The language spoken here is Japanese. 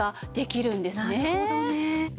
なるほどね。